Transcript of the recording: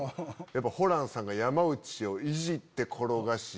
ホランさんが山内をいじって転がし。